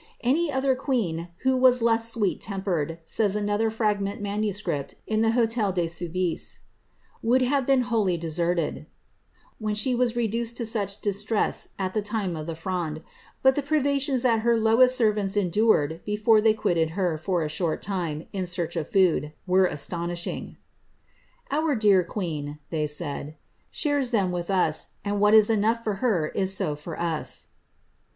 ^^Any other queen who was less sweet tempered," says another fragment MS. in the Hotel de Soubise, ^ would have been wholly de serted^^ when she was reduced to such distress at the lime of the Fronde; but the privations tiiat her lowest servants endured before they quitted her for a short time in search of food, were astonishing. ^ Our dear queen,'' they said, ^ shares them with us, and what is enough for her is so for us."